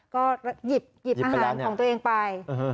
ก็หยิบอาหารของตัวเองไป